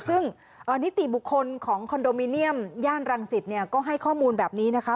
ซึ่งนิติบุคคลของคอนโดมิเนียมย่านรังสิตเนี่ยก็ให้ข้อมูลแบบนี้นะคะ